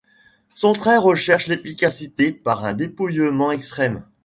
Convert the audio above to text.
Son trait recherche l’efficacité par un dépouillement extrême.